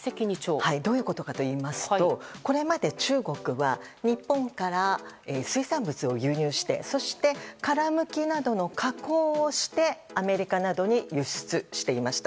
どういうことかといいますとこれまで中国は日本から水産物を輸入してそして殻むきなどの加工をしてアメリカなどに輸出していました。